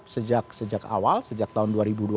kita sudah bersiap sejak awal sejak tahun dua ribu dua puluh